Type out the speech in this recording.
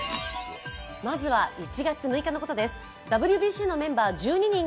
まずは１月６日のことです。